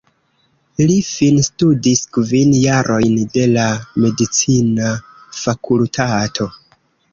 Li finstudis kvin jarojn de la medicina fakultato.